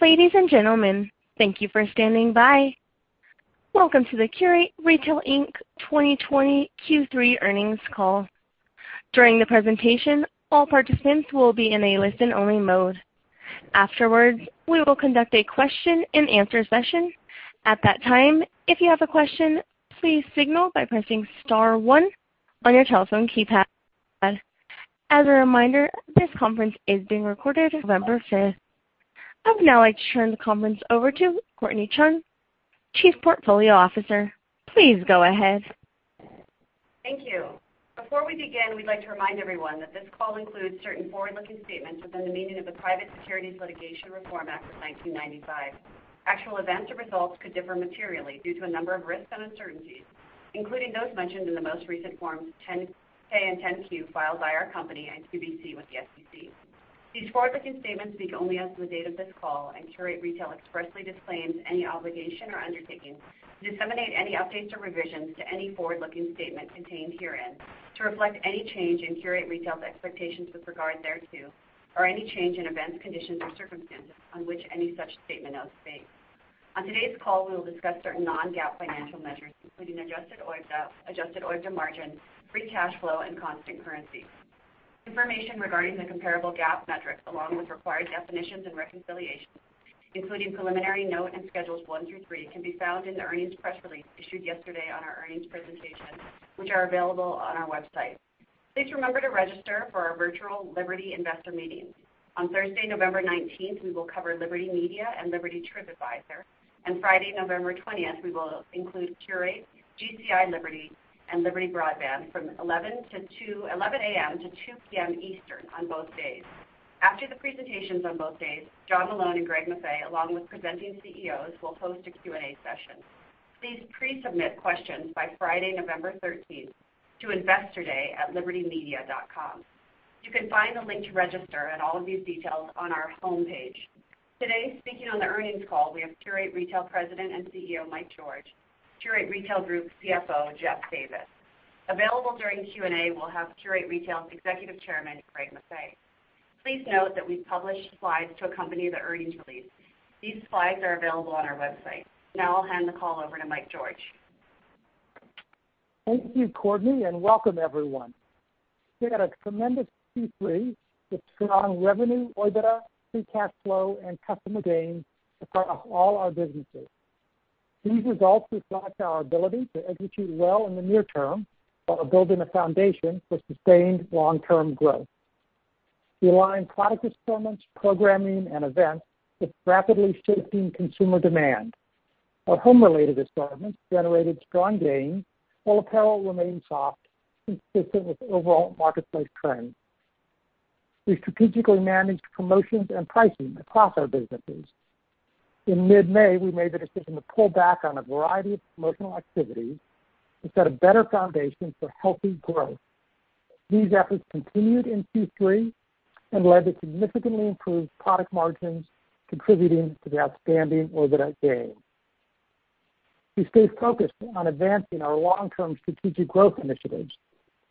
Ladies and gentlemen, thank you for standing by. Welcome to the Qurate Retail, Inc 2020 Q3 earnings call. During the presentation, all participants will be in a listen-only mode. Afterwards, we will conduct a question-and-answer session. At that time, if you have a question, please signal by pressing star one on your telephone keypad. As a reminder, this conference is being recorded. November 5th. I've now turned the conference over to Courtnee Chun, Chief Portfolio Officer. Please go ahead. Thank you. Before we begin, we'd like to remind everyone that this call includes certain forward-looking statements within the meaning of the Private Securities Litigation Reform Act of 1995. Actual events or results could differ materially due to a number of risks and uncertainties, including those mentioned in the most recent Forms 10-K and 10-Q filed by our company, Qurate Retail, Inc, with the SEC. These forward-looking statements speak only as of the date of this call, and Qurate Retail expressly disclaims any obligation or undertaking to disseminate any updates or revisions to any forward-looking statement contained herein to reflect any change in Qurate Retail's expectations with regard thereto, or any change in events, conditions, or circumstances on which any such statement now speaks. On today's call, we will discuss certain non-GAAP financial measures, including adjusted OIBDA, adjusted OIBDA margin, free cash flow, and constant currency. Information regarding the comparable GAAP metrics, along with required definitions and reconciliation, including preliminary note and schedules one through three, can be found in the earnings press release issued yesterday on our earnings presentation, which are available on our website. Please remember to register for our virtual Liberty Investor meetings. On Thursday, November 19th, we will cover Liberty Media and Liberty TripAdvisor, and Friday, November 20th, we will include Qurate, GCI Liberty, and Liberty Broadband from 11:00 A.M. to 2:00 P.M. Eastern on both days. After the presentations on both days, John Malone and Greg Maffei, along with presenting CEOs, will host a Q&A session. Please pre-submit questions by Friday, November 13th, to investorday@libertymedia.com. You can find the link to register and all of these details on our homepage. Today, speaking on the earnings call, we have Qurate Retail President and CEO Mike George, Qurate Retail Group CFO Jeff Davis. Available during Q&A, we'll have Qurate Retail's Executive Chairman, Greg Maffei. Please note that we've published slides to accompany the earnings release. These slides are available on our website. Now I'll hand the call over to Mike George. Thank you, Courtnee, and welcome everyone. We had a tremendous Q3 with strong revenue, OIBDA, free cash flow, and customer gain across all our businesses. These results reflect our ability to execute well in the near term while building a foundation for sustained long-term growth. We aligned product assortments, programming, and events with rapidly shifting consumer demand. Our home-related assortments generated strong gain while apparel remained soft, consistent with overall marketplace trends. We strategically managed promotions and pricing across our businesses. In mid-May, we made the decision to pull back on a variety of promotional activities to set a better foundation for healthy growth. These efforts continued in Q3 and led to significantly improved product margins, contributing to the outstanding OIBDA gain. We stayed focused on advancing our long-term strategic growth initiatives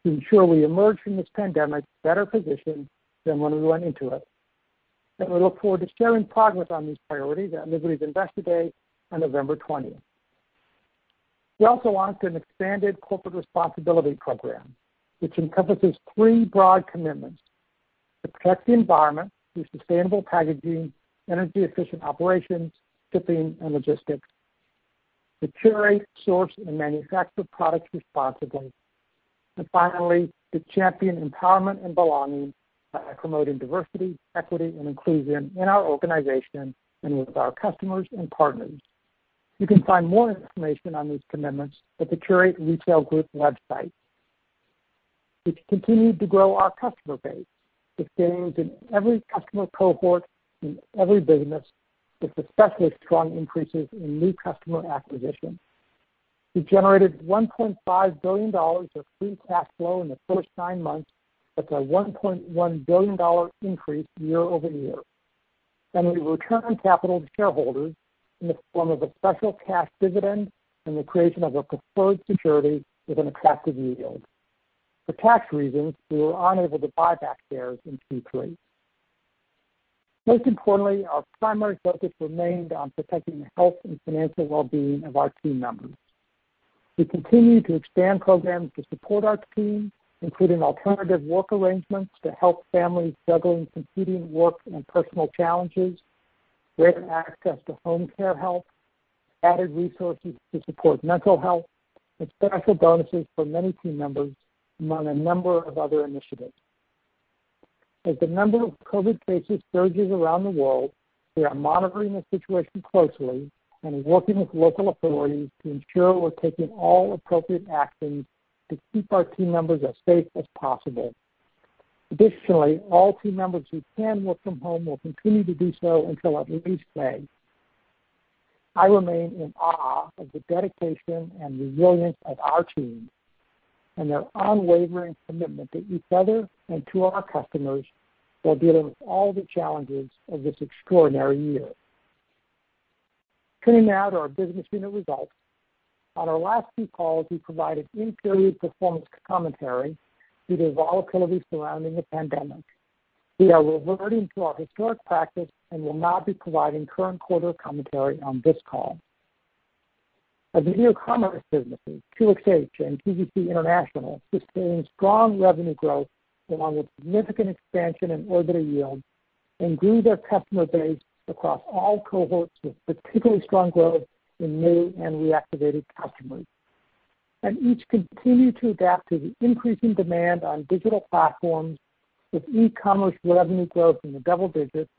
to ensure we emerge from this pandemic better positioned than when we went into it. We look forward to sharing progress on these priorities at Liberty's Investor Day on November 20th. We also launched an expanded corporate responsibility program, which encompasses three broad commitments: to protect the environment through sustainable packaging, energy-efficient operations, shipping, and logistics. To curate, source, and manufacture products responsibly. And finally, to champion empowerment and belonging by promoting diversity, equity, and inclusion in our organization and with our customers and partners. You can find more information on these commitments at the Qurate Retail Group website. We've continued to grow our customer base with gains in every customer cohort in every business, with especially strong increases in new customer acquisition. We generated $1.5 billion of free cash flow in the first nine months, that's a $1.1 billion increase year-over-year. We returned capital to shareholders in the form of a special cash dividend and the creation of a preferred security with an attractive yield. For tax reasons, we were unable to buy back shares in Q3. Most importantly, our primary focus remained on protecting the health and financial well-being of our team members. We continue to expand programs to support our team, including alternative work arrangements to help families juggling competing work and personal challenges, greater access to home care help, added resources to support mental health, and special bonuses for many team members, among a number of other initiatives. As the number of COVID cases surges around the world, we are monitoring the situation closely and working with local authorities to ensure we're taking all appropriate actions to keep our team members as safe as possible. Additionally, all team members who can work from home will continue to do so until at least May. I remain in awe of the dedication and resilience of our team and their unwavering commitment to each other and to our customers while dealing with all the challenges of this extraordinary year. Turning now to our business unit results, on our last two calls, we provided in-period performance commentary due to volatility surrounding the pandemic. We are reverting to our historic practice and will not be providing current quarter commentary on this call. As video commerce businesses, QxH and QVC International sustained strong revenue growth along with significant expansion in OIBDA yield and grew their customer base across all cohorts with particularly strong growth in new and reactivated customers. Each continued to adapt to the increasing demand on digital platforms, with e-commerce revenue growth in the double digits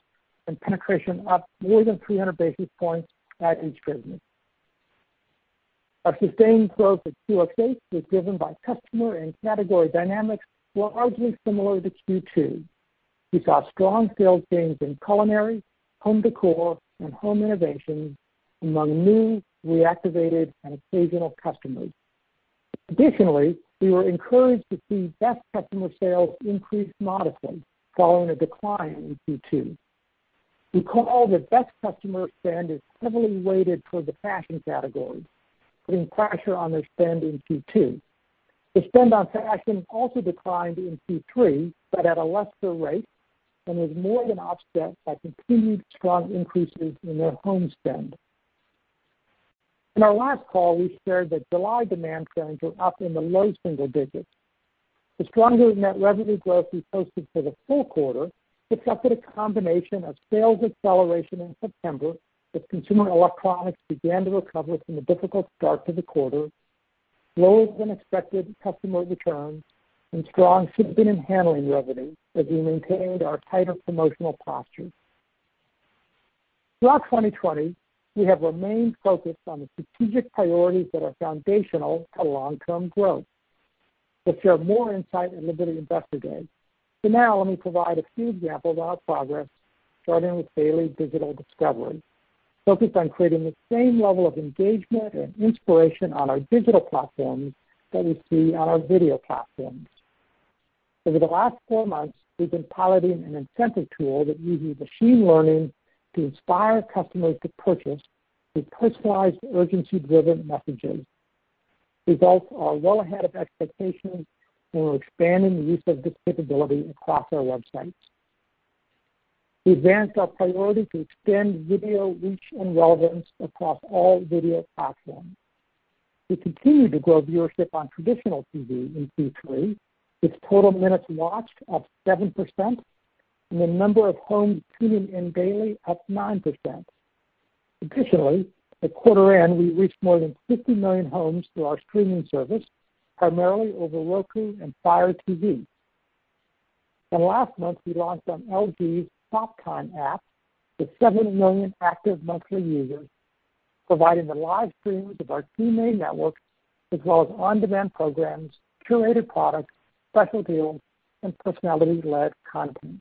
and penetration up more than 300 basis points at each business. Our sustained growth at QxH was driven by customer and category dynamics largely similar to Q2. We saw strong sales gains in culinary, home decor, and home innovations among new, reactivated, and occasional customers. Additionally, we were encouraged to see best customer sales increase modestly following a decline in Q2. We know that best customer spend is heavily weighted towards the fashion category, putting pressure on their spend in Q2. The spend on fashion also declined in Q3, but at a lesser rate and was more than offset by continued strong increases in their home spend. In our last call, we shared that July demand trends were up in the low single digits. The stronger net revenue growth we posted for the full quarter was up with a combination of sales acceleration in September, as consumer electronics began to recover from the difficult start to the quarter, lower than expected customer returns, and strong shipping and handling revenue, as we maintained our tighter promotional posture. Throughout 2020, we have remained focused on the strategic priorities that are foundational to long-term growth. We'll share more insight at Liberty Investor Day. For now, let me provide a few examples on our progress, starting with daily digital discovery, focused on creating the same level of engagement and inspiration on our digital platforms that we see on our video platforms. Over the last four months, we've been piloting an incentive tool that uses machine learning to inspire customers to purchase through personalized urgency-driven messages. Results are well ahead of expectations, and we're expanding the use of this capability across our websites. We advanced our priority to extend video reach and relevance across all video platforms. We continue to grow viewership on traditional TV in Q3, with total minutes watched up 7% and the number of homes tuning in daily up 9%. Additionally, at quarter end, we reached more than 50 million homes through our streaming service, primarily over Roku and Fire TV. Last month, we launched on LG's Shop Time app with 7 million active monthly users, providing the live streams of our QVC network, as well as on-demand programs, curated products, special deals, and personality-led content.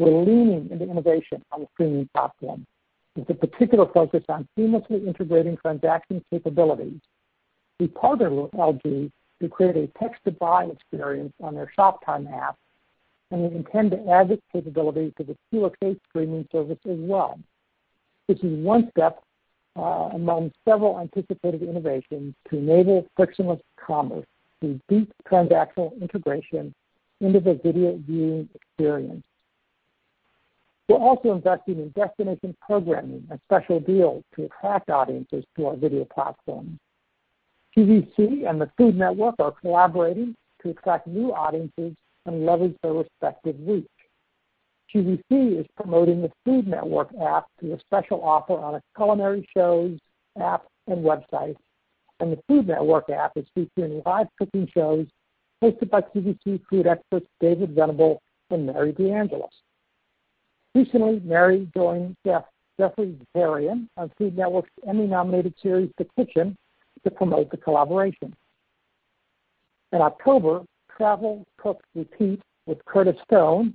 We're leaning into innovation on the streaming platform with a particular focus on seamlessly integrating transaction capabilities. We partnered with LG to create a text-to-buy experience on their Shop Time app, and we intend to add this capability to the QxH streaming service as well. This is one step among several anticipated innovations to enable frictionless commerce through deep transactional integration into the video viewing experience. We're also investing in destination programming and special deals to attract audiences to our video platforms. QVC and the Food Network are collaborating to attract new audiences and leverage their respective reach. QVC is promoting the Food Network app through a special offer on its culinary shows, app, and website, and the Food Network app is featuring live cooking shows hosted by QVC food experts David Venable and Mary DeAngelis. Recently, Mary joined Geoffrey Zakarian on Food Network's Emmy-nominated series, The Kitchen, to promote the collaboration. In October, Travel, Cook, Repeat with Curtis Stone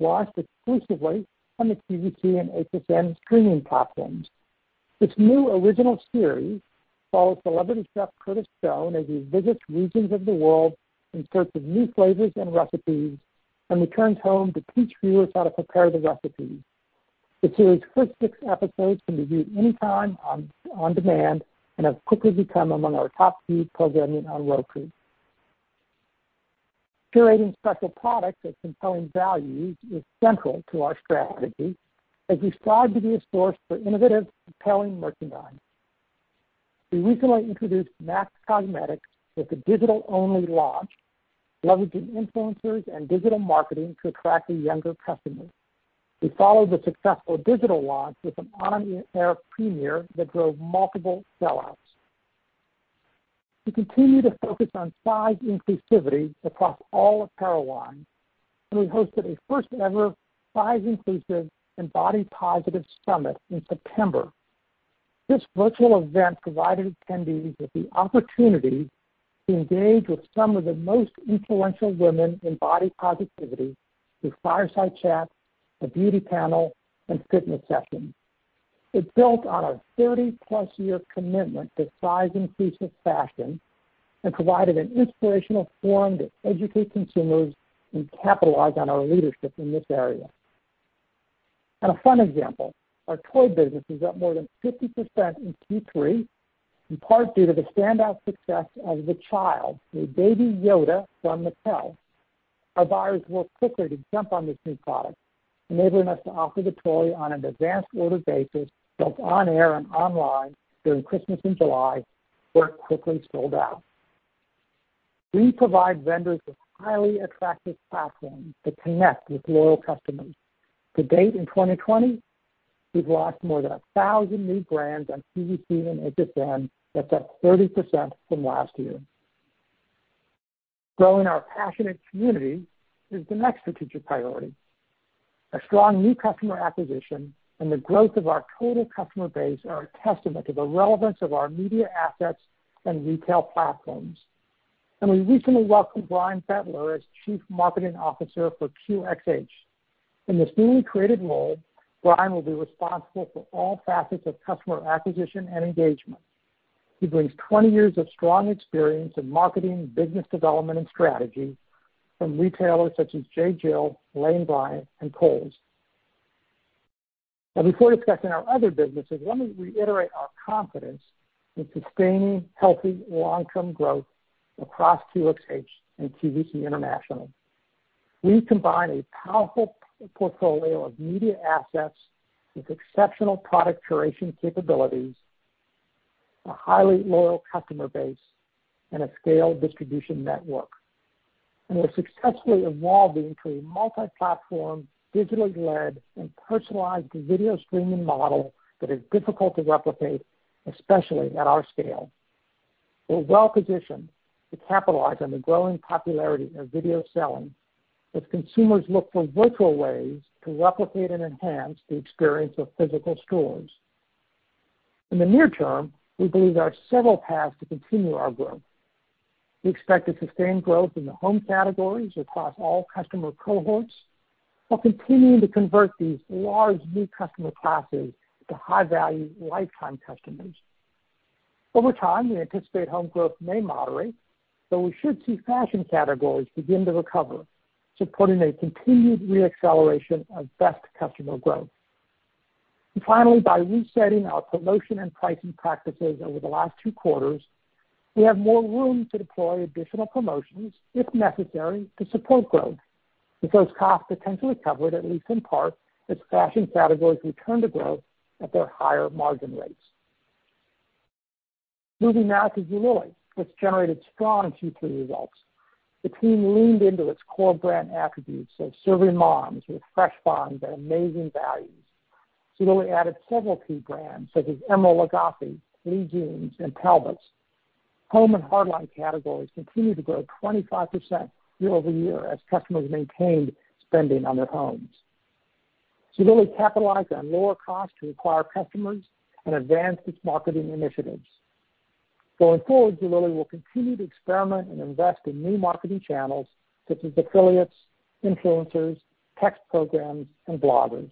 launched exclusively on the QVC and HSN streaming platforms. This new original series follows celebrity chef Curtis Stone as he visits regions of the world in search of new flavors and recipes and returns home to teach viewers how to prepare the recipes. The series' first six episodes can be viewed anytime on demand and have quickly become among our top-viewed programming on Roku. Curating special products with compelling values is central to our strategy as we strive to be a source for innovative, compelling merchandise. We recently introduced MAC Cosmetics with a digital-only launch, leveraging influencers and digital marketing to attract a younger customer. We followed the successful digital launch with an on-air premiere that drove multiple sellouts. We continue to focus on size inclusivity across all apparel lines, and we hosted a first-ever size-inclusive and body-positive summit in September. This virtual event provided attendees with the opportunity to engage with some of the most influential women in body positivity through fireside chats, a beauty panel, and fitness sessions. It built on our 30-plus year commitment to size-inclusive fashion and provided an inspirational forum to educate consumers and capitalize on our leadership in this area, and a fun example, our toy business is up more than 50% in Q3, in part due to the standout success of The Child, a Baby Yoda from Mattel. Our buyers were quicker to jump on this new product, enabling us to offer the toy on an advanced order basis, both on-air and online during Christmas in July, where it quickly sold out. We provide vendors with highly attractive platforms that connect with loyal customers. To date in 2020, we've launched more than 1,000 new brands on QVC and HSN, that's up 30% from last year. Growing our passionate community is the next strategic priority. Our strong new customer acquisition and the growth of our total customer base are a testament to the relevance of our media assets and retail platforms. We recently welcomed Brian Beitler as Chief Marketing Officer for QxH. In this newly created role, Brian will be responsible for all facets of customer acquisition and engagement. He brings 20 years of strong experience in marketing, business development, and strategy from retailers such as J.Jill, Lane Bryant, and Kohl's. Now, before discussing our other businesses, let me reiterate our confidence in sustaining healthy long-term growth across QxH and QVC International. We combine a powerful portfolio of media assets with exceptional product curation capabilities, a highly loyal customer base, and a scaled distribution network, and we're successfully evolving to a multi-platform, digitally led, and personalized video streaming model that is difficult to replicate, especially at our scale. We're well-positioned to capitalize on the growing popularity of video selling as consumers look for virtual ways to replicate and enhance the experience of physical stores. In the near term, we believe there are several paths to continue our growth. We expect to sustain growth in the home categories across all customer cohorts while continuing to convert these large new customer classes to high-value lifetime customers. Over time, we anticipate home growth may moderate, but we should see fashion categories begin to recover, supporting a continued re-acceleration of best customer growth. Finally, by resetting our promotion and pricing practices over the last two quarters, we have more room to deploy additional promotions, if necessary, to support growth, with those costs potentially covered, at least in part, as fashion categories return to growth at their higher margin rates. Moving now to Zulily, which generated strong Q3 results. The team leaned into its core brand attributes of serving moms with fresh finds at amazing values. Zulily added several key brands, such as Emeril Lagasse, Lee Jeans, and Purple. Home and hardline categories continued to grow 25% year-over-year as customers maintained spending on their homes. Zulily capitalized on lower costs to acquire customers and advanced its marketing initiatives. Going forward, Zulily will continue to experiment and invest in new marketing channels, such as affiliates, influencers, text programs, and bloggers.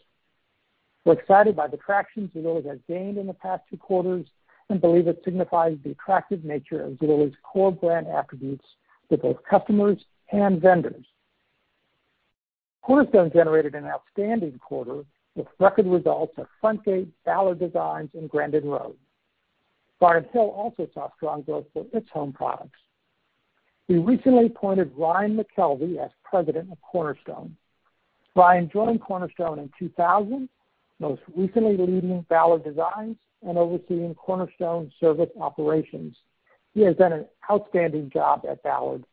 We're excited by the traction Zulily has gained in the past two quarters and believe it signifies the attractive nature of Zulily's core brand attributes to both customers and vendors. Cornerstone generated an outstanding quarter with record results at Frontgate, Ballard Designs, and Grandin Road. Garnet Hill also saw strong growth for its home products. We recently appointed Ryan McKelvey as president of Cornerstone. Ryan joined Cornerstone in 2000, most recently leading Ballard Designs and overseeing Cornerstone service operations. He has done an outstanding job at Ballard,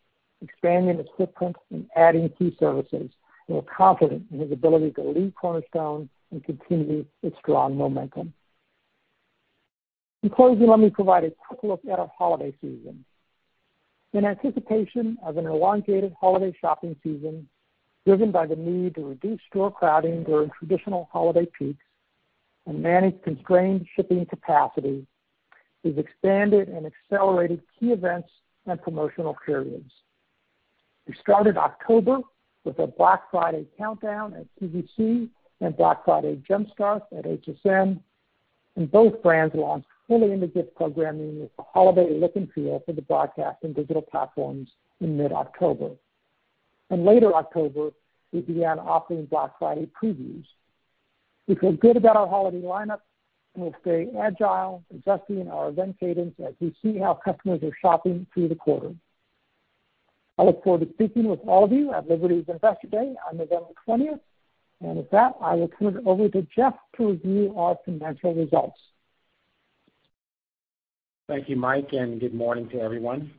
expanding its footprint and adding key services. We're confident in his ability to lead Cornerstone and continue its strong momentum. In closing, let me provide a quick look at our holiday season. In anticipation of an elongated holiday shopping season driven by the need to reduce store crowding during traditional holiday peaks and manage constrained shipping capacity, we've expanded and accelerated key events and promotional periods. We started October with a Black Friday Countdown at QVC and Black Friday Jump Starts at HSN, and both brands launched fully into gift programming with the holiday look and feel for the broadcast and digital platforms in mid-October, and later October, we began offering Black Friday previews. We feel good about our holiday lineup, and we'll stay agile, adjusting our event cadence as we see how customers are shopping through the quarter. I look forward to speaking with all of you at Liberty's Investor Day on November 20th, and with that, I will turn it over to Jeff to review our financial results. Thank you, Mike, and good morning to everyone.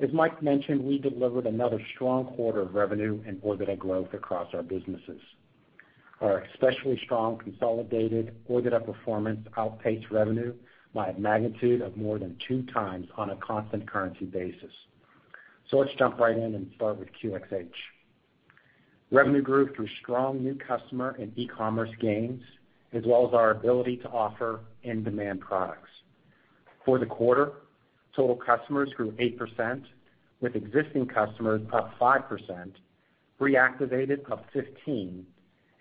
As Mike mentioned, we delivered another strong quarter of revenue and order growth across our businesses. Our especially strong consolidated order performance outpaced revenue by a magnitude of more than two times on a constant currency basis. So let's jump right in and start with QxH. Revenue grew through strong new customer and e-commerce gains, as well as our ability to offer in-demand products. For the quarter, total customers grew 8%, with existing customers up 5%, reactivated up 15%,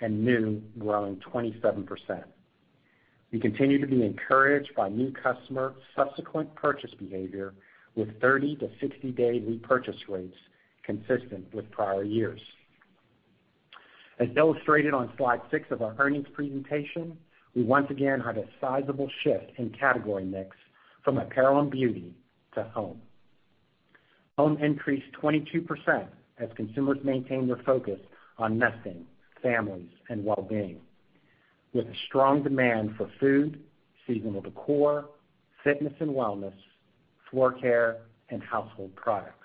and new growing 27%. We continue to be encouraged by new customer subsequent purchase behavior, with 30- to 60-day repurchase rates consistent with prior years. As illustrated on slide six of our earnings presentation, we once again had a sizable shift in category mix from apparel and beauty to home. Home increased 22% as consumers maintained their focus on nesting, families, and well-being, with a strong demand for food, seasonal decor, fitness and wellness, floor care, and household products.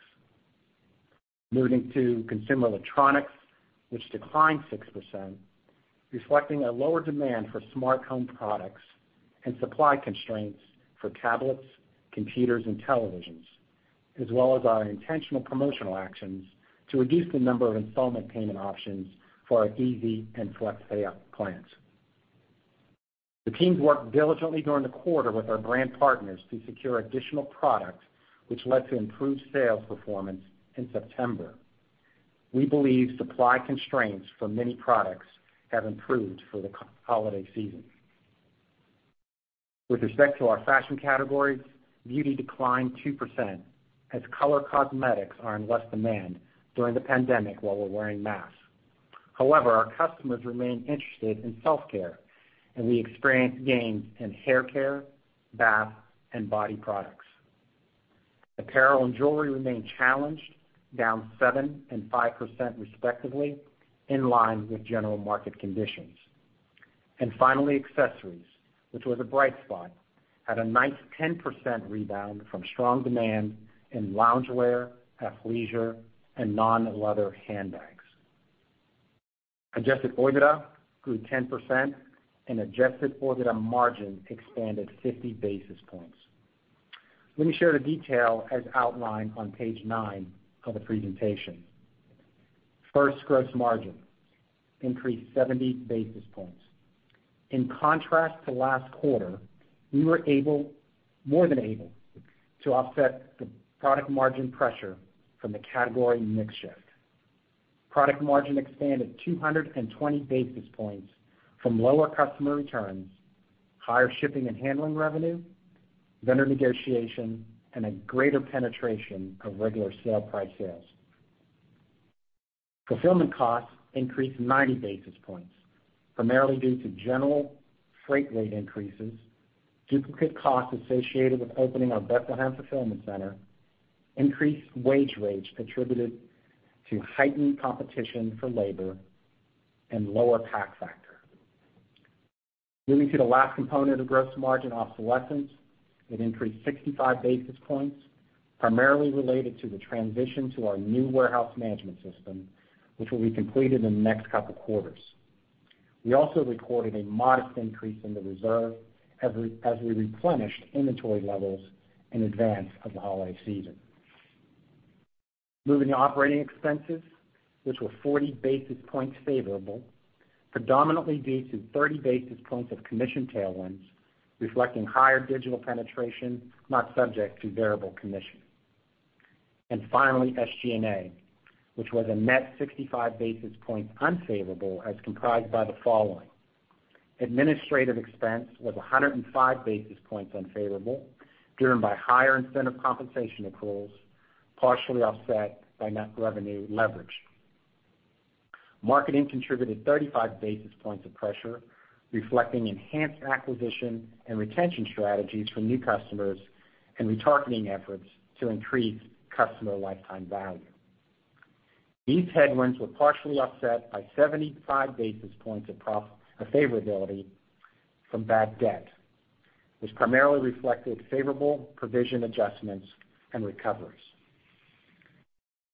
Moving to consumer electronics, which declined 6%, reflecting a lower demand for smart home products and supply constraints for tablets, computers, and televisions, as well as our intentional promotional actions to reduce the number of installment payment options for our Easy Pay and FlexPay app plans. The team's worked diligently during the quarter with our brand partners to secure additional products, which led to improved sales performance in September. We believe supply constraints for many products have improved for the holiday season. With respect to our fashion categories, beauty declined 2% as color cosmetics are in less demand during the pandemic while we're wearing masks. However, our customers remain interested in self-care, and we experienced gains in haircare, bath, and body products. Apparel and jewelry remain challenged, down 7% and 5% respectively, in line with general market conditions. And finally, accessories, which was a bright spot, had a nice 10% rebound from strong demand in loungewear, athleisure, and non-leather handbags. Adjusted OIBDA grew 10%, and Adjusted OIBDA margin expanded 50 basis points. Let me share the detail as outlined on page nine of the presentation. First, gross margin increased 70 basis points. In contrast to last quarter, we were able, more than able, to offset the product margin pressure from the category mix shift. Product margin expanded 220 basis points from lower customer returns, higher shipping and handling revenue, vendor negotiation, and a greater penetration of regular sale price sales. Fulfillment costs increased 90 basis points, primarily due to general freight rate increases, duplicate costs associated with opening our Bethlehem Fulfillment Center, increased wage rates attributed to heightened competition for labor, and lower pack factor. Moving to the last component of gross margin obsolescence, it increased 65 basis points, primarily related to the transition to our new warehouse management system, which will be completed in the next couple of quarters. We also recorded a modest increase in the reserve as we replenished inventory levels in advance of the holiday season. Moving to operating expenses, which were 40 basis points favorable, predominantly due to 30 basis points of commission tailwinds, reflecting higher digital penetration, not subject to variable commission, and finally, SG&A, which was a net 65 basis points unfavorable, as comprised by the following. Administrative expense was 105 basis points unfavorable, driven by higher incentive compensation accruals, partially offset by net revenue leverage. Marketing contributed 35 basis points of pressure, reflecting enhanced acquisition and retention strategies for new customers and retargeting efforts to increase customer lifetime value. These headwinds were partially offset by 75 basis points of favorability from bad debt, which primarily reflected favorable provision adjustments and recoveries.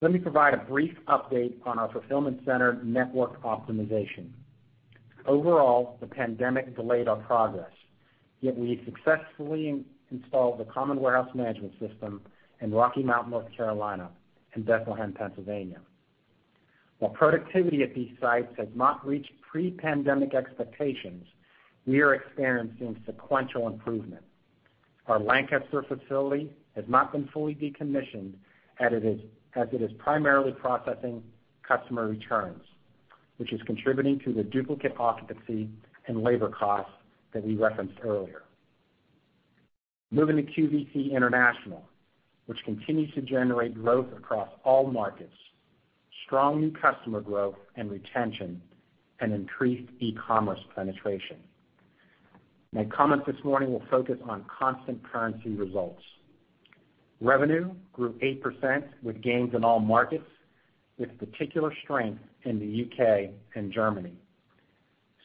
Let me provide a brief update on our fulfillment center network optimization. Overall, the pandemic delayed our progress, yet we successfully installed the Common Warehouse Management System in Rocky Mount, North Carolina, and Bethlehem, Pennsylvania. While productivity at these sites has not reached pre-pandemic expectations, we are experiencing sequential improvement. Our Lancaster facility has not been fully decommissioned, as it is primarily processing customer returns, which is contributing to the duplicate occupancy and labor costs that we referenced earlier. Moving to QVC International, which continues to generate growth across all markets, strong new customer growth and retention, and increased e-commerce penetration. My comments this morning will focus on constant currency results. Revenue grew 8% with gains in all markets, with particular strength in the UK and Germany.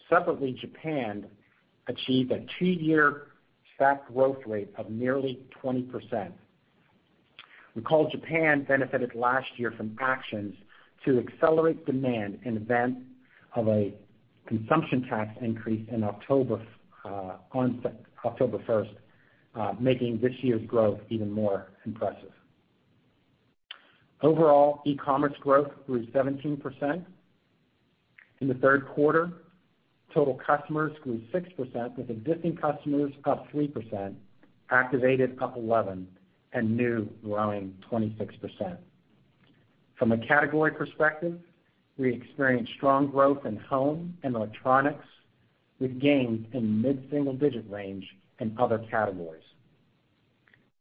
Separately, Japan achieved a two-year stacked growth rate of nearly 20%. Recall Japan benefited last year from actions to accelerate demand in the event of a consumption tax increase on October 1st, making this year's growth even more impressive. Overall, e-commerce growth grew 17%. In the third quarter, total customers grew 6%, with existing customers up 3%, active up 11%, and new growing 26%. From a category perspective, we experienced strong growth in home and electronics, with gains in mid-single-digit range and other categories.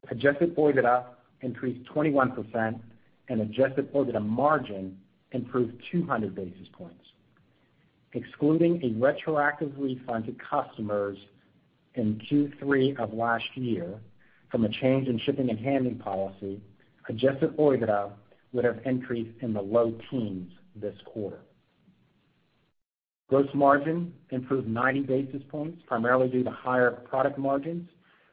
Adjusted AOV increased 21%, and adjusted AOV margin improved 200 basis points. Excluding a retroactive refund to customers in Q3 of last year from a change in shipping and handling policy, Adjusted OIBDA would have increased in the low teens this quarter. Gross margin improved 90 basis points, primarily due to higher product margins,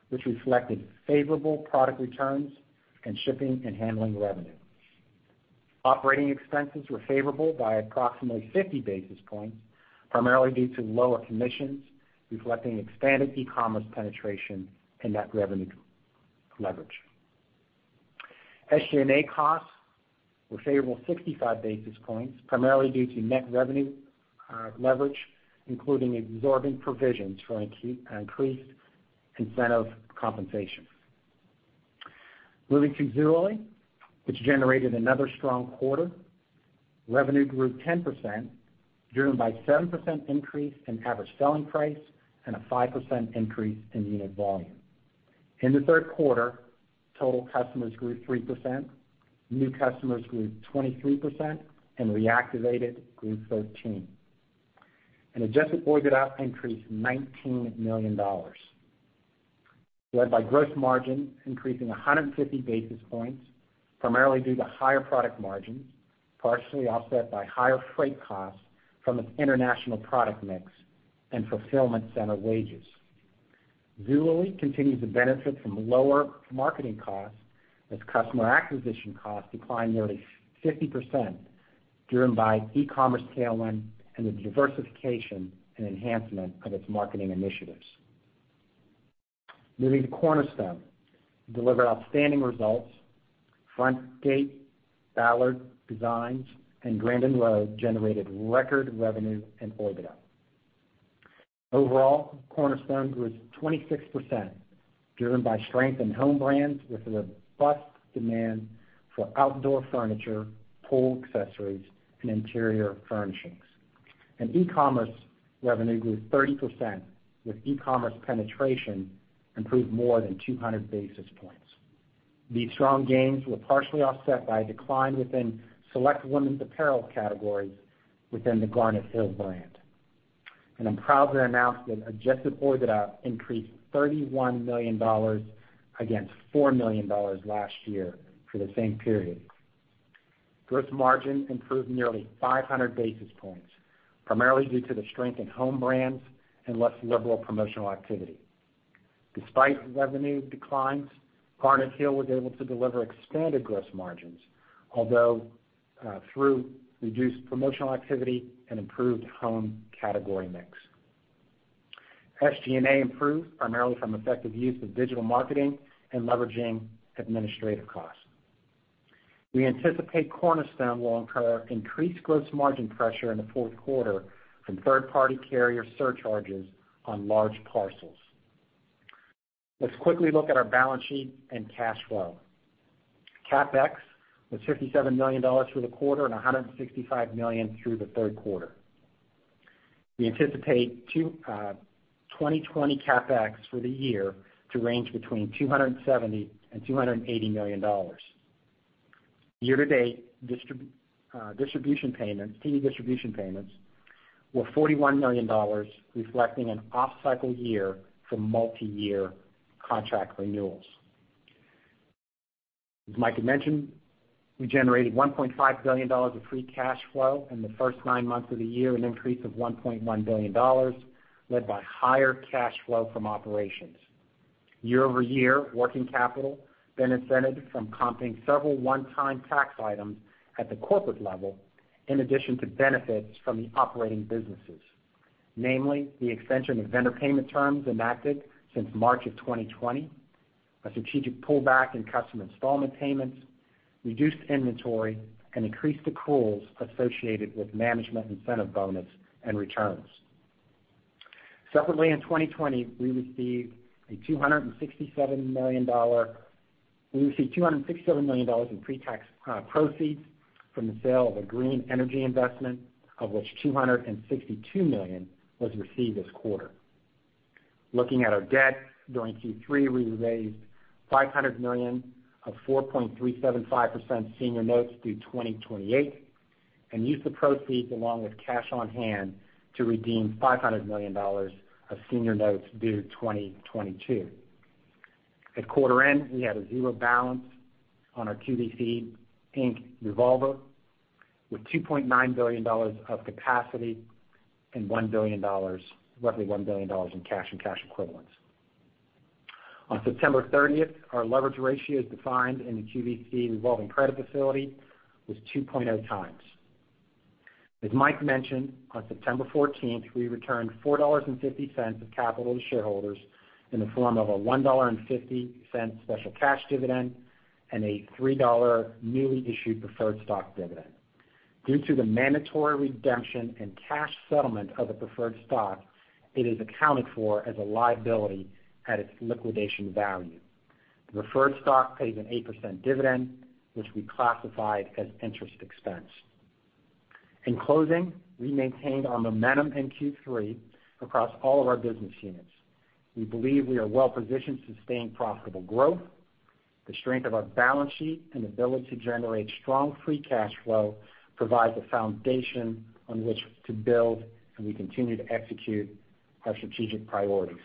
which reflected favorable product returns and shipping and handling revenue. Operating expenses were favorable by approximately 50 basis points, primarily due to lower commissions, reflecting expanded e-commerce penetration and net revenue leverage. SG&A costs were favorable 65 basis points, primarily due to net revenue leverage, including absorbing provisions for increased incentive compensation. Moving to Zulily, which generated another strong quarter. Revenue grew 10%, driven by a 7% increase in average selling price and a 5% increase in unit volume. In the third quarter, total customers grew 3%, new customers grew 23%, and reactivated grew 13%. An Adjusted OIBDA increase of $19 million, led by gross margin increasing 150 basis points, primarily due to higher product margins, partially offset by higher freight costs from its international product mix and fulfillment center wages. Zulily continues to benefit from lower marketing costs as customer acquisition costs declined nearly 50%, driven by e-commerce tailwind and the diversification and enhancement of its marketing initiatives. Moving to Cornerstone, [it] delivered outstanding results. Frontgate, Ballard Designs, and Grandin Road generated record revenue and orders too. Overall, Cornerstone grew 26%, driven by strength in home brands with a robust demand for outdoor furniture, pool accessories, and interior furnishings, and e-commerce revenue grew 30%, with e-commerce penetration improved more than 200 basis points. These strong gains were partially offset by a decline within select women's apparel categories within the Garnet Hill brand. I'm proud to announce that Adjusted OIBDA increased $31 million against $4 million last year for the same period. Gross margin improved nearly 500 basis points, primarily due to the strength in home brands and less liberal promotional activity. Despite revenue declines, Garnet Hill was able to deliver expanded gross margins, although through reduced promotional activity and improved home category mix. SG&A improved primarily from effective use of digital marketing and leveraging administrative costs. We anticipate Cornerstone will incur increased gross margin pressure in the fourth quarter from third-party carrier surcharges on large parcels. Let's quickly look at our balance sheet and cash flow. CapEx was $57 million through the quarter and $165 million through the third quarter. We anticipate 2020 CapEx for the year to range between $270 and $280 million. Year-to-date distribution payments, TV distribution payments, were $41 million, reflecting an off-cycle year for multi-year contract renewals. As Mike had mentioned, we generated $1.5 billion of Free Cash Flow in the first nine months of the year, an increase of $1.1 billion, led by higher cash flow from operations. Year-over-year, working capital benefited from comping several one-time tax items at the corporate level, in addition to benefits from the operating businesses, namely the extension of vendor payment terms enacted since March of 2020, a strategic pullback in customer installment payments, reduced inventory, and increased accruals associated with management incentive bonus and returns. Separately, in 2020, we received $267 million in pre-tax proceeds from the sale of a green energy investment, of which $262 million was received this quarter. Looking at our debt going Q3, we raised $500 million of 4.375% senior notes due 2028, and used the proceeds along with cash on hand to redeem $500 million of senior notes due 2022. At quarter end, we had a zero balance on our QVC, Inc. revolver, with $2.9 billion of capacity and roughly $1 billion in cash and cash equivalents. On September 30th, our leverage ratio defined in the QVC revolving credit facility was 2.0 times. As Mike mentioned, on September 14th, we returned $4.50 of capital to shareholders in the form of a $1.50 special cash dividend and a $3 newly issued preferred stock dividend. Due to the mandatory redemption and cash settlement of the preferred stock, it is accounted for as a liability at its liquidation value. The preferred stock pays an 8% dividend, which we classified as interest expense. In closing, we maintained our momentum in Q3 across all of our business units. We believe we are well-positioned to sustain profitable growth. The strength of our balance sheet and ability to generate strong free cash flow provides a foundation on which to build, and we continue to execute our strategic priorities.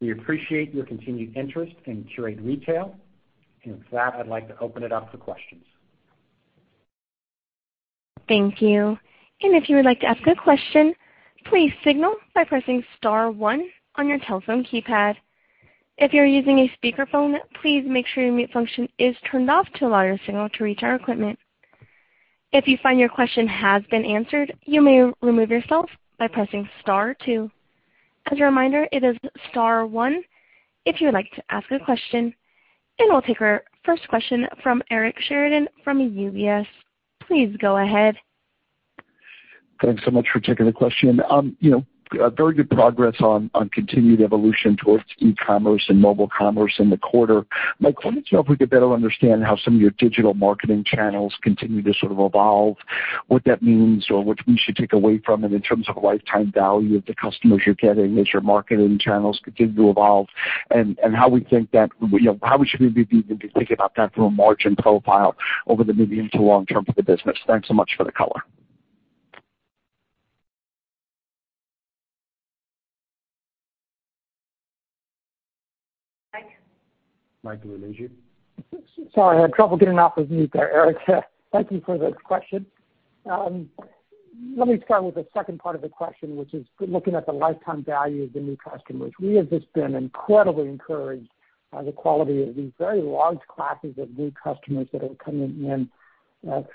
We appreciate your continued interest in Qurate Retail, and with that, I'd like to open it up for questions. Thank you. And if you would like to ask a question, please signal by pressing star one on your telephone keypad. If you're using a speakerphone, please make sure your mute function is turned off to allow your signal to reach our equipment. If you find your question has been answered, you may remove yourself by pressing star two. As a reminder, it is star one if you would like to ask a question. And we'll take our first question from Eric Sheridan from UBS. Please go ahead. Thanks so much for taking the question. Very good progress on continued evolution towards e-commerce and mobile commerce in the quarter. Mike, let me know if we could better understand how some of your digital marketing channels continue to sort of evolve, what that means, or what we should take away from it in terms of lifetime value of the customers you're getting as your marketing channels continue to evolve, and how we think that, how we should maybe even be thinking about that from a margin profile over the medium to long term for the business. Thanks so much for the color. Mike. Mike, the wind is you. Sorry, I had trouble getting off of mute there, Eric. Thank you for those questions. Let me start with the second part of the question, which is looking at the lifetime value of the new customers. We have just been incredibly encouraged by the quality of these very large classes of new customers that are coming in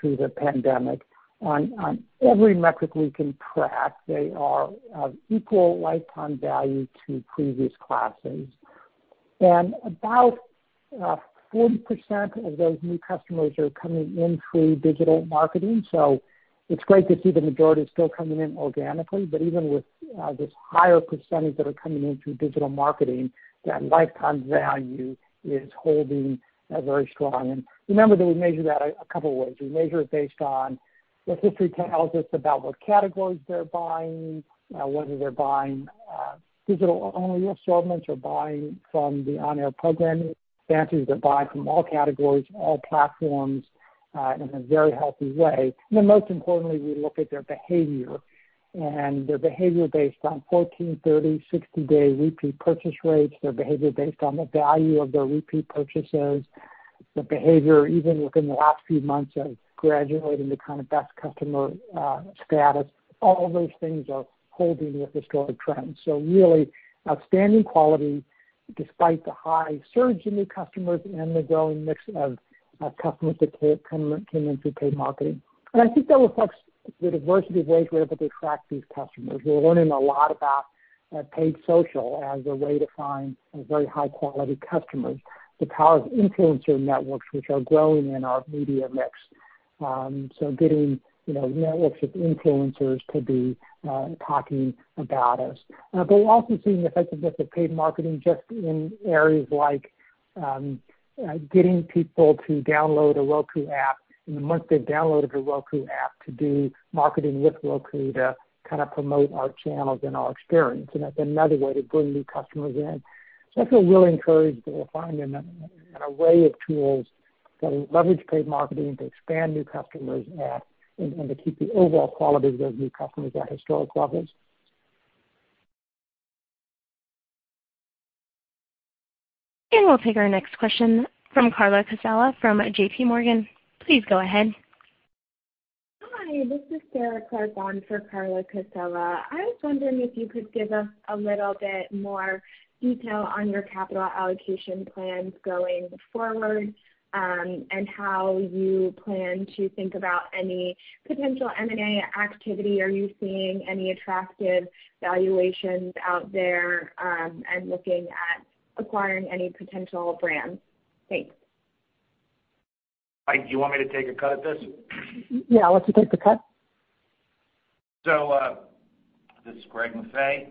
through the pandemic. On every metric we can track, they are of equal lifetime value to previous classes. And about 40% of those new customers are coming in through digital marketing. So it's great to see the majority still coming in organically. But even with this higher percentage that are coming in through digital marketing, that lifetime value is holding very strong. And remember that we measure that a couple of ways. We measure it based on what history tells us about what categories they're buying, whether they're buying digital-only assortments or buying from the on-air programming, we see they're buying from all categories, all platforms in a very healthy way. And then most importantly, we look at their behavior. And their behavior based on 14, 30, 60-day repeat purchase rates, their behavior based on the value of their repeat purchases, the behavior even within the last few months of graduating to kind of best customer status. All those things are holding with historic trends. So really, outstanding quality despite the high surge in new customers and the growing mix of customers that came in through paid marketing. And I think that reflects the diversity of ways we're able to attract these customers. We're learning a lot about paid social as a way to find very high-quality customers. The power of influencer networks, which are growing in our media mix, so getting networks of influencers to be talking about us, but we're also seeing the effectiveness of paid marketing just in areas like getting people to download a Roku app, and once they've downloaded a Roku app, to do marketing with Roku to kind of promote our channels and our experience, and that's another way to bring new customers in, so I feel really encouraged that we're finding an array of tools that leverage paid marketing to expand new customers and to keep the overall quality of those new customers at historic levels. We'll take our next question from Carla Casella from JPMorgan. Please go ahead. Hi. This is Sarah Clark on for Carla Casella. I was wondering if you could give us a little bit more detail on your capital allocation plans going forward and how you plan to think about any potential M&A activity. Are you seeing any attractive valuations out there and looking at acquiring any potential brands? Thanks. Mike, do you want me to take a cut at this? Yeah, let's take the cut. So this is Greg Maffei.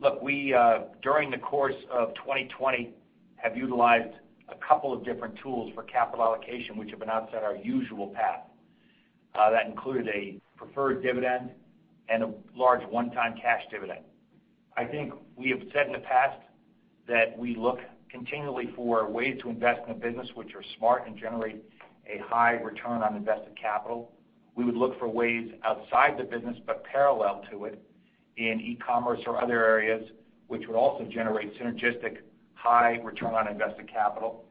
Look, we during the course of 2020 have utilized a couple of different tools for capital allocation which have been outside our usual path. That included a preferred dividend and a large one-time cash dividend. I think we have said in the past that we look continually for ways to invest in a business which are smart and generate a high return on invested capital. We would look for ways outside the business but parallel to it in e-commerce or other areas which would also generate synergistic high return on invested capital.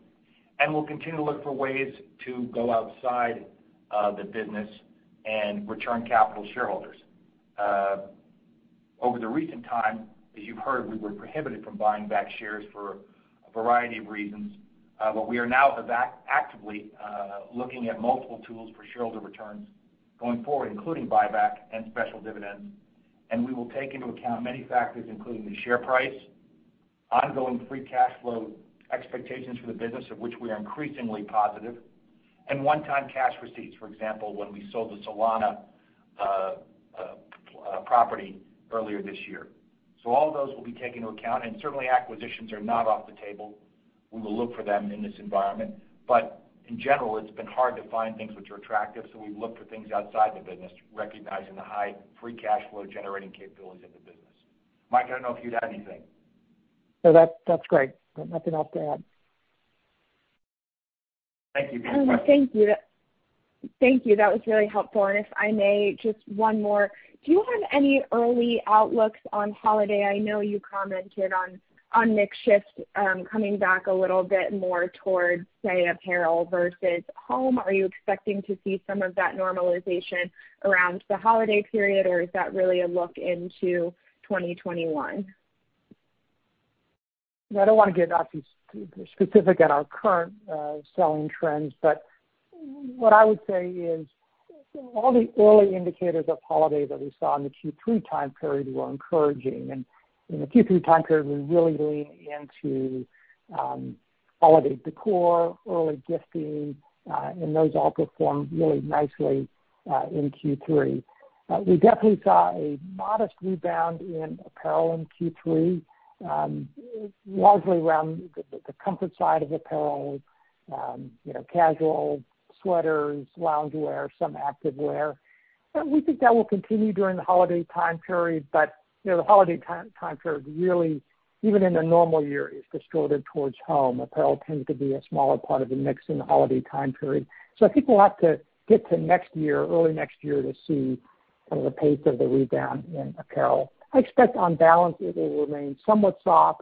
And we'll continue to look for ways to go outside the business and return capital to shareholders. Over the recent time, as you've heard, we were prohibited from buying back shares for a variety of reasons. But we are now actively looking at multiple tools for shareholder returns going forward, including buyback and special dividends. And we will take into account many factors, including the share price, ongoing Free Cash Flow expectations for the business, of which we are increasingly positive, and one-time cash receipts, for example, when we sold the Solana property earlier this year. So all of those will be taken into account. And certainly, acquisitions are not off the table. We will look for them in this environment. But in general, it's been hard to find things which are attractive. So we've looked for things outside the business, recognizing the high Free Cash Flow generating capabilities of the business. Mike, I don't know if you had anything. No, that's great. Nothing else to add. Thank you. Thank you. Thank you. That was really helpful. If I may, just one more. Do you have any early outlooks on holiday? I know you commented on makeup coming back a little bit more towards, say, apparel versus home. Are you expecting to see some of that normalization around the holiday period, or is that really a look into 2021? Yeah, I don't want to get specific on our current selling trends, but what I would say is all the early indicators of holiday that we saw in the Q3 time period were encouraging, and in the Q3 time period, we really leaned into holiday decor, early gifting, and those all performed really nicely in Q3. We definitely saw a modest rebound in apparel in Q3, largely around the comfort side of apparel, casual sweaters, loungewear, some active wear. We think that will continue during the holiday time period, but the holiday time period really, even in a normal year, is distorted towards home. Apparel tends to be a smaller part of the mix in the holiday time period, so I think we'll have to get to next year, early next year, to see kind of the pace of the rebound in apparel. I expect on balance, it will remain somewhat soft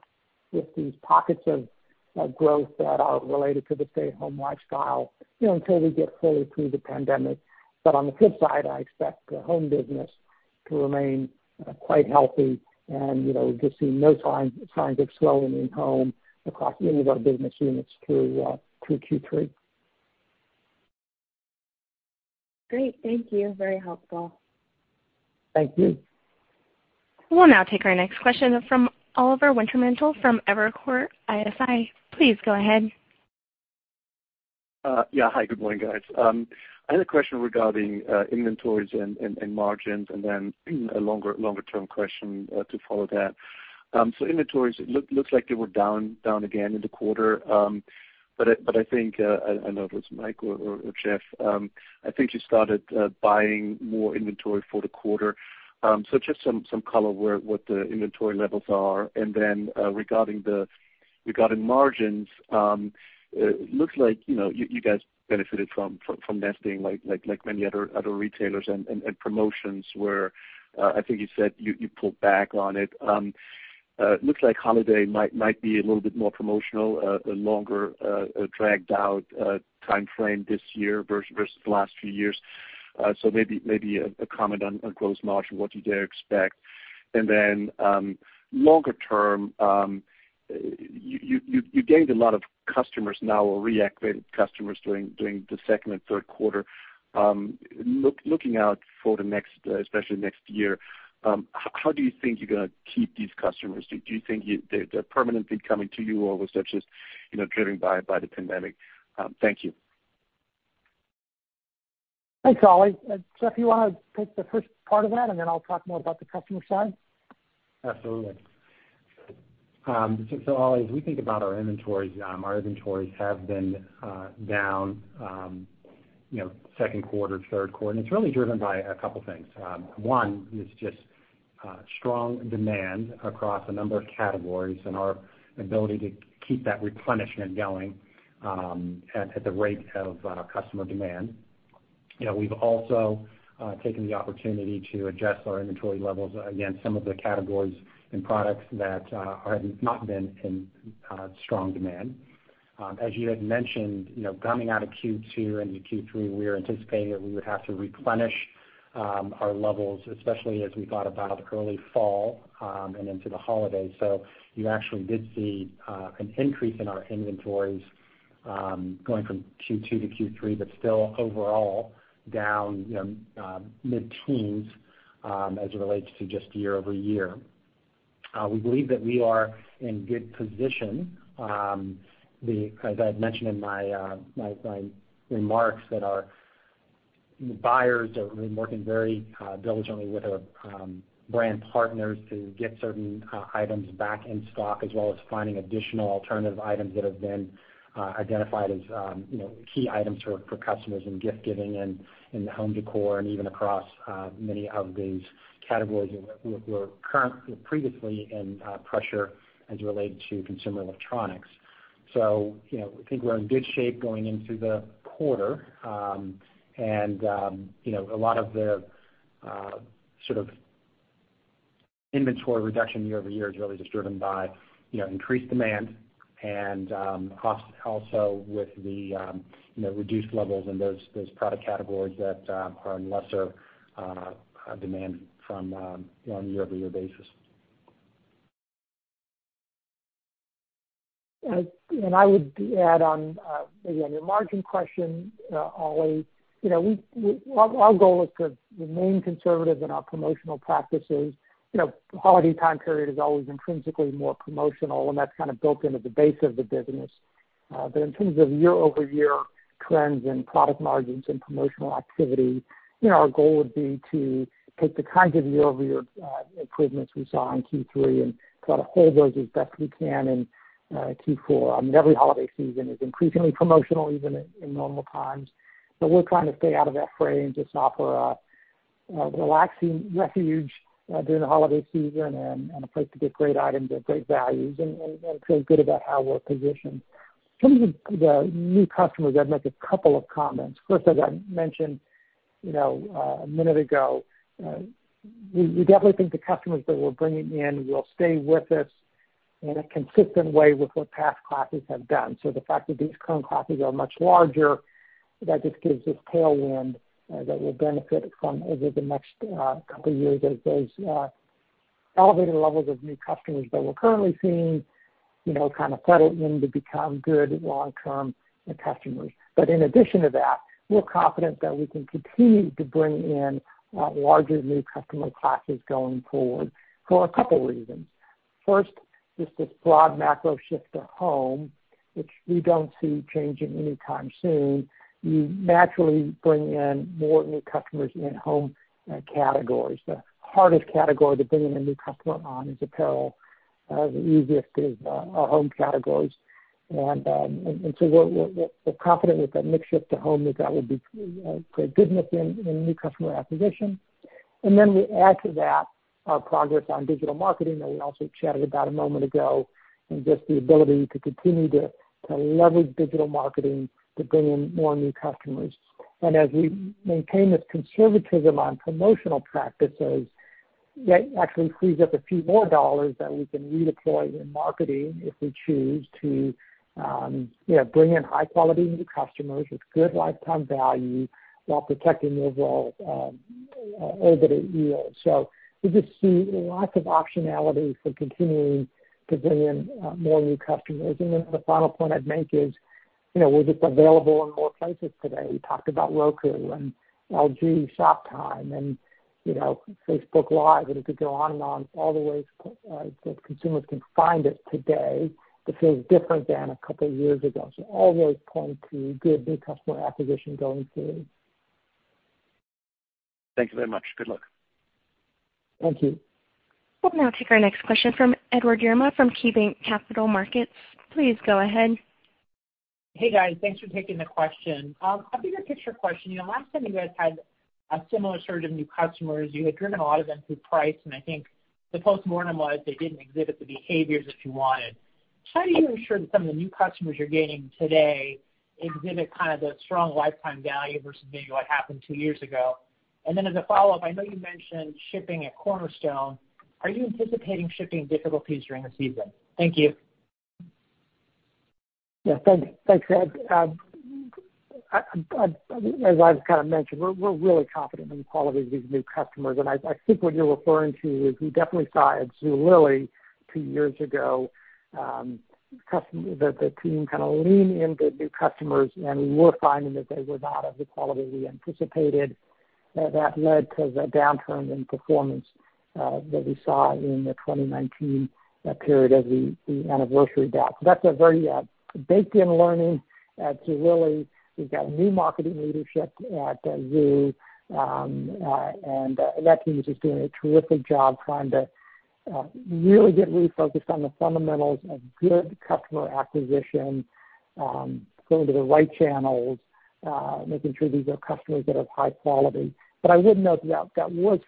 with these pockets of growth that are related to the stay-at-home lifestyle until we get fully through the pandemic. But on the flip side, I expect the home business to remain quite healthy and to see no signs of slowing in home across any of our business units through Q3. Great. Thank you. Very helpful. Thank you. We'll now take our next question from Oliver Wintermantel from Evercore ISI. Please go ahead. Yeah. Hi. Good morning, guys. I had a question regarding inventories and margins, and then a longer-term question to follow that, so inventories, it looks like they were down again in the quarter, but I think I don't know if it was Mike or Jeff. I think you started buying more inventory for the quarter, so just some color on what the inventory levels are, and then regarding margins, it looks like you guys benefited from nesting like many other retailers and promotions where I think you said you pulled back on it. It looks like holiday might be a little bit more promotional, a longer dragged-out time frame this year versus the last few years, so maybe a comment on gross margin, what you'd expect, and then longer-term, you gained a lot of customers new or reactivated customers during the second and third quarter. Looking out for the next, especially next year, how do you think you're going to keep these customers? Do you think they're permanently coming to you, or was that just driven by the pandemic? Thank you. Thanks, Oli. Jeff, you want to take the first part of that, and then I'll talk more about the customer side? Absolutely. So Oli, as we think about our inventories, our inventories have been down second quarter, third quarter, and it's really driven by a couple of things. One is just strong demand across a number of categories and our ability to keep that replenishment going at the rate of customer demand. We've also taken the opportunity to adjust our inventory levels against some of the categories and products that have not been in strong demand. As you had mentioned, coming out of Q2 into Q3, we were anticipating that we would have to replenish our levels, especially as we thought about early fall and into the holidays, so you actually did see an increase in our inventories going from Q2 to Q3, but still overall down mid-teens% as it relates to just year-over-year. We believe that we are in good position. As I had mentioned in my remarks that our buyers are working very diligently with our brand partners to get certain items back in stock, as well as finding additional alternative items that have been identified as key items for customers in gift giving and in home decor and even across many of these categories that were previously in pressure as it relates to consumer electronics. So I think we're in good shape going into the quarter, and a lot of the sort of inventory reduction year-over-year is really just driven by increased demand and also with the reduced levels in those product categories that are in lesser demand on a year-over-year basis. I would add on, again, your margin question, Oli. Our goal is to remain conservative in our promotional practices. Holiday time period is always intrinsically more promotional, and that's kind of built into the base of the business. But in terms of year-over-year trends in product margins and promotional activity, our goal would be to take the kinds of year-over-year improvements we saw in Q3 and try to hold those as best we can in Q4. I mean, every holiday season is increasingly promotional, even in normal times. So we're trying to stay out of that frame and just offer a relaxing refuge during the holiday season and a place to get great items at great values and feel good about how we're positioned. In terms of the new customers, I'd make a couple of comments. First, as I mentioned a minute ago, we definitely think the customers that we're bringing in will stay with us in a consistent way with what past classes have done. So the fact that these current classes are much larger, that just gives us tailwind that will benefit from over the next couple of years as those elevated levels of new customers that we're currently seeing kind of settle in to become good long-term customers. But in addition to that, we're confident that we can continue to bring in larger new customer classes going forward for a couple of reasons. First, just this broad macro shift to home, which we don't see changing anytime soon. You naturally bring in more new customers in home categories. The hardest category to bring in a new customer on is apparel. The easiest is our home categories. And so we're confident with that mix shift to home that will be a great business in new customer acquisition. And then we add to that our progress on digital marketing that we also chatted about a moment ago and just the ability to continue to leverage digital marketing to bring in more new customers. And as we maintain this conservatism on promotional practices, that actually frees up a few more dollars that we can redeploy in marketing if we choose to bring in high-quality new customers with good lifetime value while protecting the overall yield. So we just see lots of optionality for continuing to bring in more new customers. And then the final point I'd make is we're just available in more places today. We talked about Roku and LG Shop Time and Facebook Live, and it could go on and on all the ways that consumers can find us today that feels different than a couple of years ago. So all those point to good new customer acquisition going forward. Thank you very much. Good luck. Thank you. We'll now take our next question from Edward Yruma from KeyBanc Capital Markets. Please go ahead. Hey, guys. Thanks for taking the question. A bigger picture question. Last time you guys had a similar surge of new customers, you had driven a lot of them through price, and I think the postmortem was they didn't exhibit the behaviors that you wanted. How do you ensure that some of the new customers you're gaining today exhibit kind of the strong lifetime value versus maybe what happened two years ago? And then as a follow-up, I know you mentioned shipping at Cornerstone. Are you anticipating shipping difficulties during the season? Thank you. Yeah. Thanks, Ed. As I've kind of mentioned, we're really confident in the quality of these new customers. And I think what you're referring to is we definitely saw at Zulily two years ago the team kind of lean into new customers, and we were finding that they were not of the quality we anticipated. That led to the downturn in performance that we saw in the 2019 period as the anniversary built. So that's a very baked-in learning at Zulily. We've got new marketing leadership at Zulily, and that team is just doing a terrific job trying to really get refocused on the fundamentals of good customer acquisition, going to the right channels, making sure these are customers that are of high quality. But I would note that that was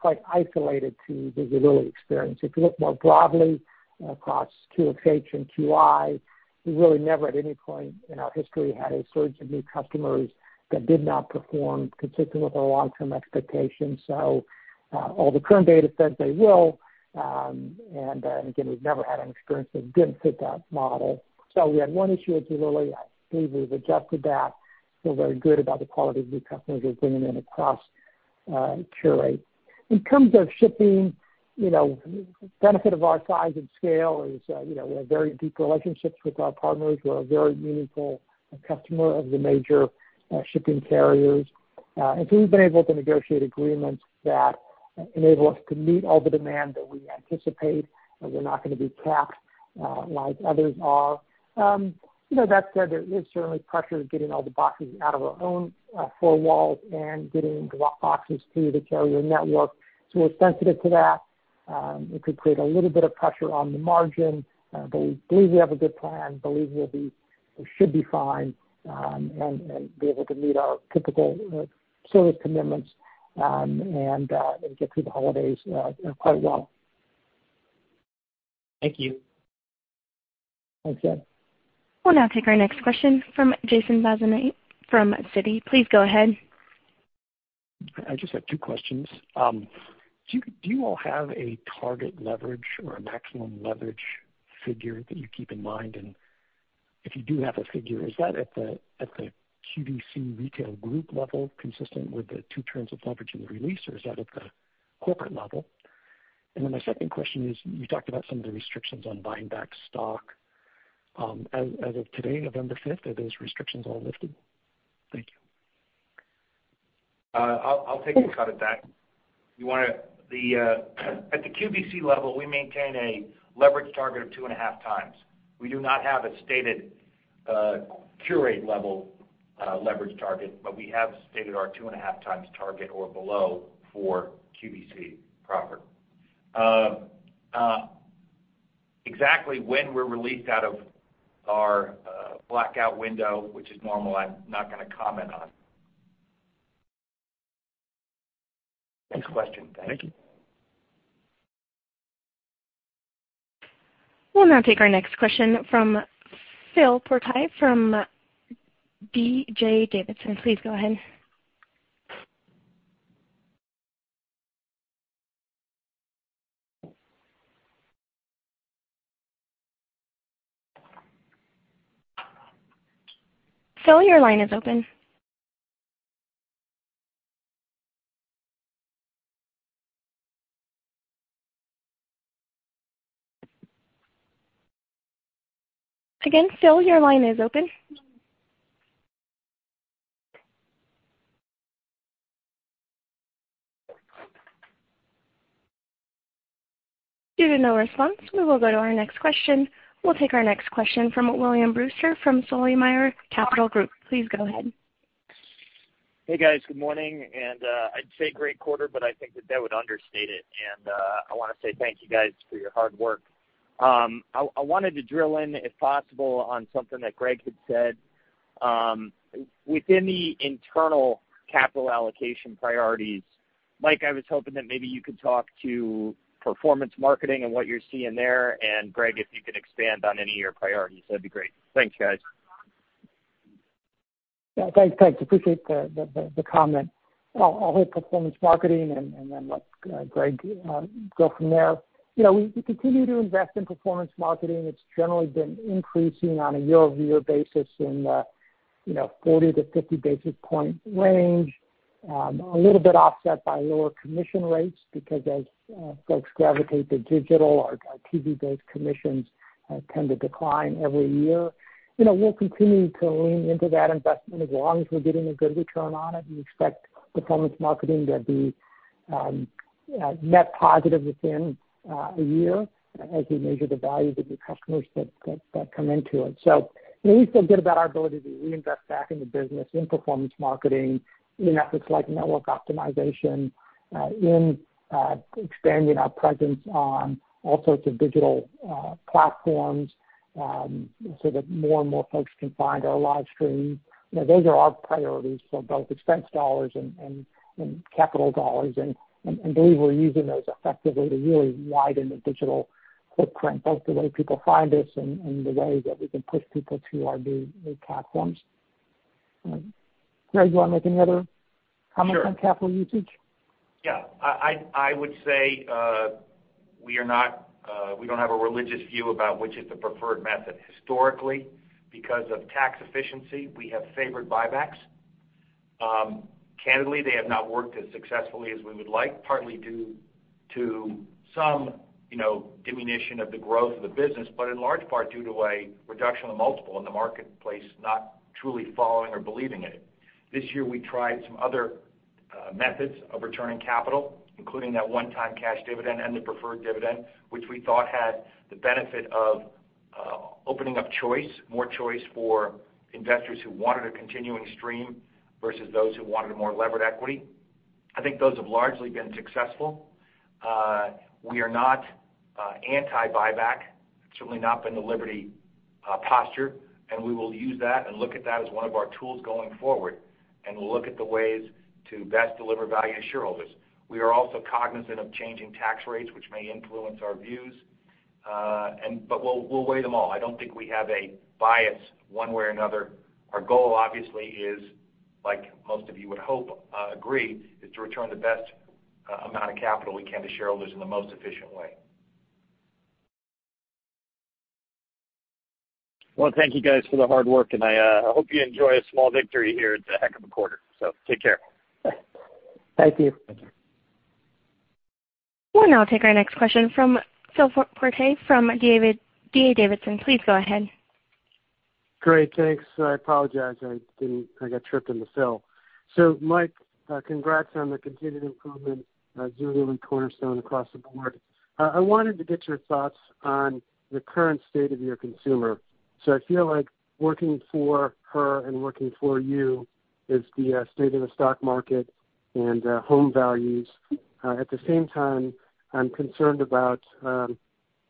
quite isolated to the Zulily experience. If you look more broadly across QxH and QI, we really never at any point in our history had a surge of new customers that did not perform consistent with our long-term expectations, so all the current data says they will. And again, we've never had an experience that didn't fit that model, so we had one issue at Zulily. I believe we've adjusted that. We're very good about the quality of new customers we're bringing in across QxH. In terms of shipping, the benefit of our size and scale is we have very deep relationships with our partners. We're a very meaningful customer of the major shipping carriers, and so we've been able to negotiate agreements that enable us to meet all the demand that we anticipate. We're not going to be capped like others are. That said, there is certainly pressure to get all the boxes out of our own four walls and getting boxes to the carrier network. So we're sensitive to that. It could create a little bit of pressure on the margin, but we believe we have a good plan. We believe we'll be. We should be fine and be able to meet our typical service commitments and get through the holidays quite well. Thank you. Thanks, Ed. We'll now take our next question from Jason Bazinet from Citi. Please go ahead. I just have two questions. Do you all have a target leverage or a maximum leverage figure that you keep in mind? And if you do have a figure, is that at the Qurate Retail Group level consistent with the two turns of leverage in the release, or is that at the corporate level? And then my second question is, you talked about some of the restrictions on buying back stock. As of today, November 5th, are those restrictions all lifted? Thank you. I'll take a shot at that. At the QVC level, we maintain a leverage target of two and a half times. We do not have a stated Qurate level leverage target, but we have stated our two and a half times target or below for QVC proper. Exactly when we're released out of our blackout window, which is normal, I'm not going to comment on. Next question. Thanks. Thank you. We'll now take our next question from Phil Terpolilli from B. Riley Securities. Please go ahead. Phil, your line is open. Again, Phil, your line is open. Due to no response, we will go to our next question. We'll take our next question from William Brewster from Sullimar Capital Group. Please go ahead. Hey, guys. Good morning. And I'd say great quarter, but I think that that would understate it. And I want to say thank you, guys, for your hard work. I wanted to drill in, if possible, on something that Greg had said. Within the internal capital allocation priorities, Mike, I was hoping that maybe you could talk to performance marketing and what you're seeing there. And Greg, if you could expand on any of your priorities, that'd be great. Thanks, guys. Yeah. Thanks. Thanks. Appreciate the comment. I'll hit performance marketing and then let Greg go from there. We continue to invest in performance marketing. It's generally been increasing on a year-over-year basis in the 40-50 basis point range, a little bit offset by lower commission rates because as folks gravitate to digital, our TV-based commissions tend to decline every year. We'll continue to lean into that investment as long as we're getting a good return on it. We expect performance marketing to be net positive within a year as we measure the value of the new customers that come into it. So at least we'll get about our ability to reinvest back in the business in performance marketing, in efforts like network optimization, in expanding our presence on all sorts of digital platforms so that more and more folks can find our live streams. Those are our priorities for both expense dollars and capital dollars. And I believe we're using those effectively to really widen the digital footprint, both the way people find us and the way that we can push people to our new platforms. Greg, do you want to make any other comments on capital usage? Yeah. I would say we don't have a religious view about which is the preferred method. Historically, because of tax efficiency, we have favored buybacks. Candidly, they have not worked as successfully as we would like, partly due to some diminution of the growth of the business, but in large part due to a reduction of the multiple in the marketplace not truly following or believing in it. This year, we tried some other methods of returning capital, including that one-time cash dividend and the preferred dividend, which we thought had the benefit of opening up choice, more choice for investors who wanted a continuing stream versus those who wanted more levered equity. I think those have largely been successful. We are not anti-buyback. It's certainly not been the Liberty posture. And we will use that and look at that as one of our tools going forward. We'll look at the ways to best deliver value to shareholders. We are also cognizant of changing tax rates, which may influence our views, but we'll weigh them all. I don't think we have a bias one way or another. Our goal, obviously, is, like most of you would hope agree, is to return the best amount of capital we can to shareholders in the most efficient way. Thank you, guys, for the hard work. I hope you enjoy a small victory here at the heck of a quarter. Take care. Thank you. Thank you. We'll now take our next question from Phil Terpolilli from B. Riley Securities. Please go ahead. Great. Thanks. I apologize. I got tripped in. It's Phil. So Mike, congrats on the continued improvement at Zulily and Cornerstone across the board. I wanted to get your thoughts on the current state of your consumer. So I feel like working for her and working for you is the state of the stock market and home values. At the same time, I'm concerned about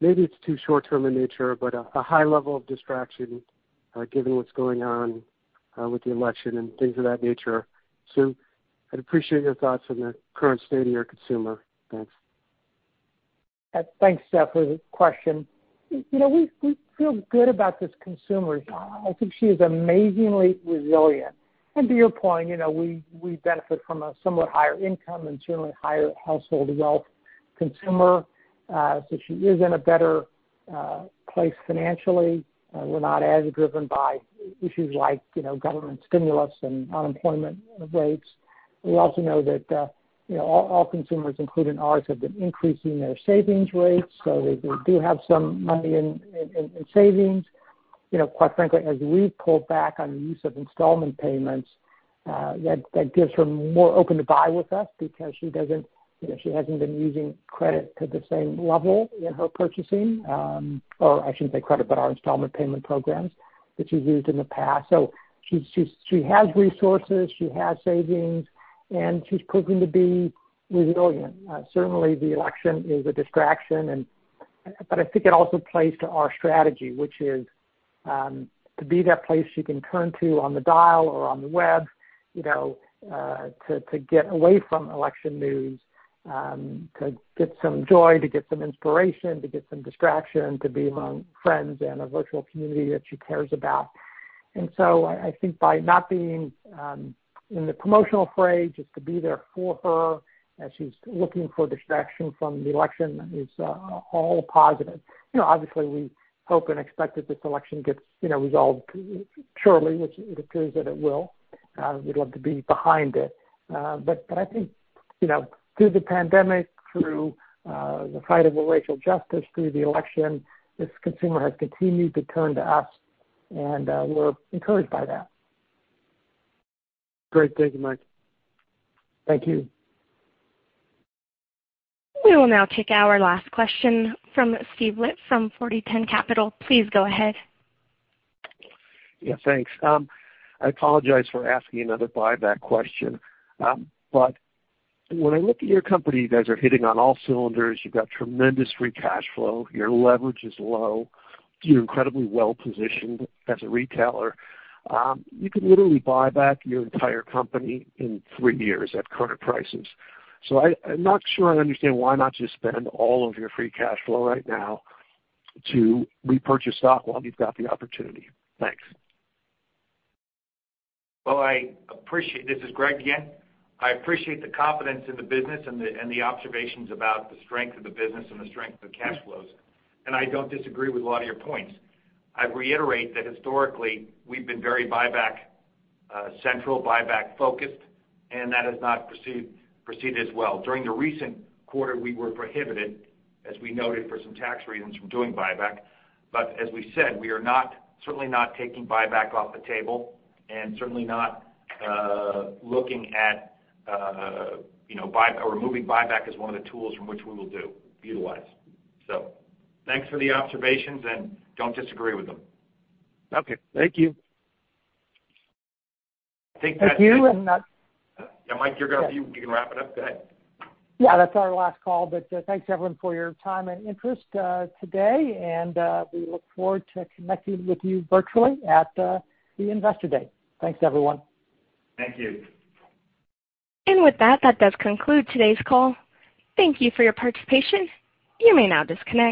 maybe it's too short-term in nature, but a high level of distraction given what's going on with the election and things of that nature. So I'd appreciate your thoughts on the current state of your consumer. Thanks. Thanks, Jeff, for the question. We feel good about this consumer. I think she is amazingly resilient, and to your point, we benefit from a somewhat higher income and certainly higher household wealth consumer, so she is in a better place financially. We're not as driven by issues like government stimulus and unemployment rates. We also know that all consumers, including ours, have been increasing their savings rates, so they do have some money in savings. Quite frankly, as we've pulled back on the use of installment payments, that gives her more open to buy with us because she hasn't been using credit to the same level in her purchasing, or I shouldn't say credit, but our installment payment programs that she's used in the past, so she has resources. She has savings, and she's proven to be resilient. Certainly, the election is a distraction. But I think it also plays to our strategy, which is to be that place she can turn to on the dial or on the web to get away from election news, to get some joy, to get some inspiration, to get some distraction, to be among friends and a virtual community that she cares about. And so I think by not being in the promotional fray, just to be there for her as she's looking for distraction from the election is all positive. Obviously, we hope and expect that this election gets resolved shortly, which it appears that it will. We'd love to be behind it. But I think through the pandemic, through the fight over racial justice, through the election, this consumer has continued to turn to us. And we're encouraged by that. Great. Thank you, Mike. Thank you. We will now take our last question from Steve Lipp from 4010 Capital. Please go ahead. Yeah. Thanks. I apologize for asking another buyback question. But when I look at your company, you guys are hitting on all cylinders. You've got tremendous free cash flow. Your leverage is low. You're incredibly well-positioned as a retailer. You could literally buy back your entire company in three years at current prices. So I'm not sure I understand why not just spend all of your free cash flow right now to repurchase stock while you've got the opportunity. Thanks. This is Greg again. I appreciate the confidence in the business and the observations about the strength of the business and the strength of the cash flows. I don't disagree with a lot of your points. I reiterate that historically, we've been very buyback-central, buyback-focused, and that has not proceeded as well. During the recent quarter, we were prohibited, as we noted for some tax reasons, from doing buyback. As we said, we are certainly not taking buyback off the table and certainly not looking at removing buyback as one of the tools from which we will utilize. Thanks for the observations and don't disagree with them. Okay. Thank you. Thank you. Thank you. Yeah, Mike, you're going to have to. You can wrap it up. Go ahead. Yeah. That's our last call, but thanks, everyone, for your time and interest today, and we look forward to connecting with you virtually at the investor day. Thanks, everyone. Thank you. And with that, that does conclude today's call. Thank you for your participation. You may now disconnect.